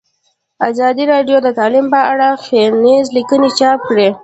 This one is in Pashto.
ازادي راډیو د تعلیم په اړه څېړنیزې لیکنې چاپ کړي.